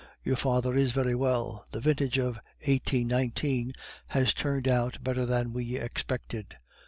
Your father is very well. The vintage of 1819 has turned out better than we expected.